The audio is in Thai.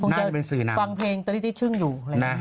คงจะฟังเพลงตะดี้ชึ้งอยู่